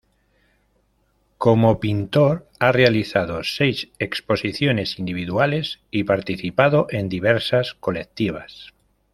Como pintor ha realizado seis exposiciones individuales y participado en diversas colectivas.